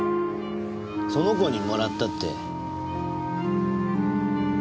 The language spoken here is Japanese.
その子にもらったって。